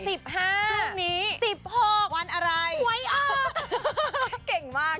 สิบห้าทุกนี้สิบหกวันอะไรไวออกเก่งมาก